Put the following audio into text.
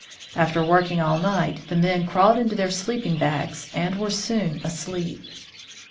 After working all night, the men crawled into their sleeping bags, and were soon asleep.